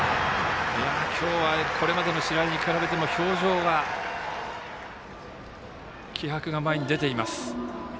今日はこれまでの試合と比べても表情は気迫が前に出ています。